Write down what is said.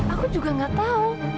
aku juga gak tau